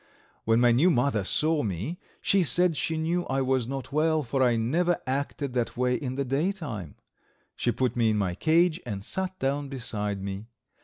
When my new mother saw me she said she knew I was not well, for I never acted that way in the daytime. She put me in my cage, and sat down beside me.